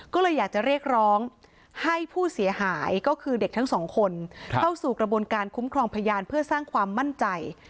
ก็เลยอยากจะเรียกร้องให้ผู้เสียหายก็คือเด็กทั้งสองคนเข้าสู่กระบวนการคุ้มครองพยานเพื่อสร้างความมั่นใจ